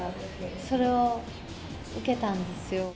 それを受けたんですよ。